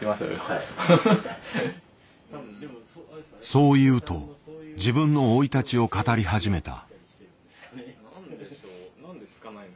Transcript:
そう言うと自分の生い立ちを語り始めた。